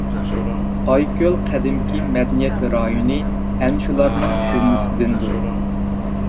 ئايكۆل قەدىمكى مەدەنىيەت رايونى ئەنە شۇلارنىڭ جۈملىسىدىندۇر.